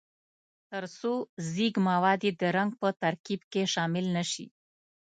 ترڅو ځیږ مواد یې د رنګ په ترکیب کې شامل نه شي.